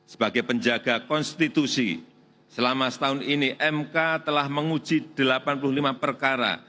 sebagai penjaga konstitusi selama setahun ini mk telah menguji delapan puluh lima perkara